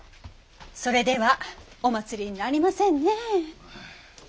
それではお祭りになりませんね。